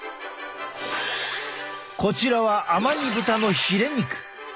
こちらはアマニ豚のヒレ肉。